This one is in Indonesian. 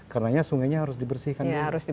karena sungainya harus dibersihkan